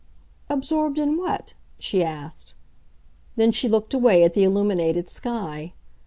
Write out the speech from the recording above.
"Absorbed in what?" she asked. Then she looked away at the illuminated sky.